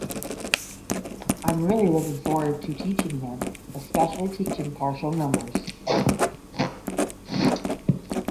I’m really looking forward to teaching them, especially teaching partial numbers